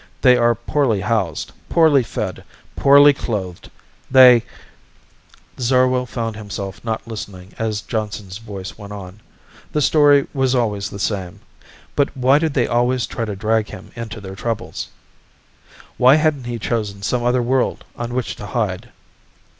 They are poorly housed, poorly fed, poorly clothed. They ..." Zarwell found himself not listening as Johnson's voice went on. The story was always the same. But why did they always try to drag him into their troubles? Why hadn't he chosen some other world on which to hide?